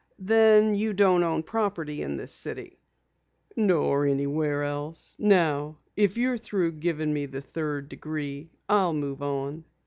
"Then you don't own property in this city?" "Nor anywhere else. Now if you're through giving me the third degree, I'll move on."